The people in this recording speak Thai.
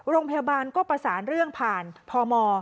โรงพยาบาลก็ประสานเรื่องผ่านพม